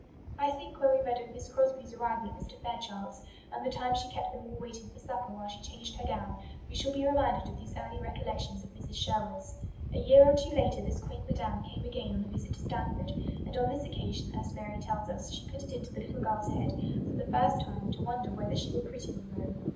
I think when we read of Miss Crosbie's arrival at Mr. Fairchild's, and the time she kept them all waiting for supper while she changed her gown, we shall be reminded of these early recollections of Mrs. Sherwood's. A year or two later this quaint Madame came again on a visit to Stanford; and on this occasion, as Mary tells us, she put it into the little girl's head, for the first time, to wonder whether she were pretty or no.